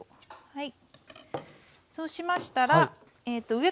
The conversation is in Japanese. はい。